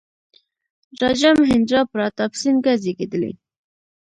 راجا مهیندرا پراتاپ سینګه زېږېدلی.